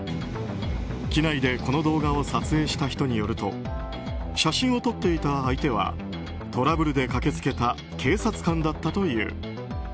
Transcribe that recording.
機内でこの動画を撮影した人によると写真を撮っていた相手はトラブルで駆け付けた警察官だったという。